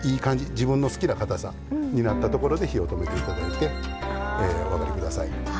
自分の好きなかたさになったところで火を止めていただいておあがりください。